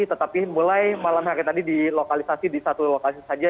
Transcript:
tetapi mulai malam hari tadi di lokalisasi di satu lokasi saja